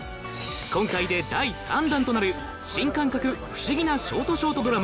今回で第３弾となる新感覚不思議なショートショートドラマ